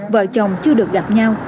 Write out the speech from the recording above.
vợ chồng chưa được gặp nhau